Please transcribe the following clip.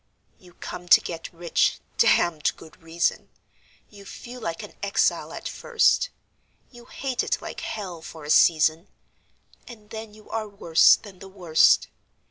You come to get rich (damned good reason); You feel like an exile at first; You hate it like hell for a season, And then you are worse than the worst.